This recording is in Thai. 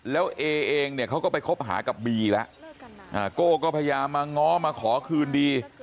แล้วเอเองเนี่ยเขาก็ไปคบหากับบีแล้วโก้ก็พยายามมาง้อมาขอคืนดี